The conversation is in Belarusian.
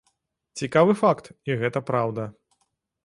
Цікавы факт, і гэта праўда.